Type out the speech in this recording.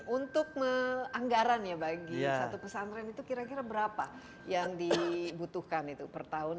untuk anggaran ya bagi satu pesantren itu kira kira berapa yang dibutuhkan itu per tahun